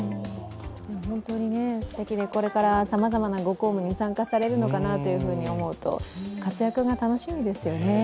本当にすてきで、これからさまざまなご公務に参加されるのかなと思うと活躍が楽しみですよね。